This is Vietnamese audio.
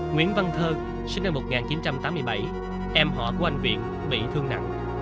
nguyễn văn thơ sinh năm một nghìn chín trăm tám mươi bảy em họ của anh việt bị thương nặng